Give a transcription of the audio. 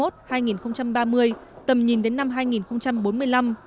tầm nhìn đến năm hai nghìn hai mươi